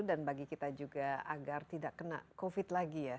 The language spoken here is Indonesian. dan bagi kita juga agar tidak kena covid sembilan belas lagi ya